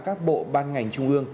các bộ ban ngành trung ương